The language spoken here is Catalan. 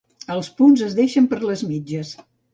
Els punts es deixen per a les mitges.